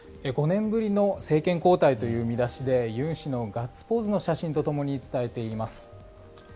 ５年ぶりの政権交代という見出しでユン氏のガッツポーズの写真とともに伝えています。